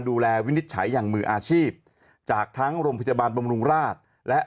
วินิจฉัยอย่างมืออาชีพจากทั้งโรงพยาบาลบำรุงราชและ